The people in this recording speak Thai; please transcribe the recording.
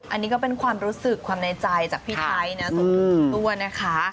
อันนี้ก็เป็นความรู้สึกความในใจจากพี่ไทยนะส่วนตัวนะคะ